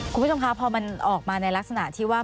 คุณผู้ชมคะพอมันออกมาในลักษณะที่ว่า